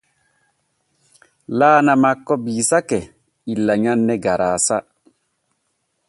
Laana makko biisake illa nyanne garaasa.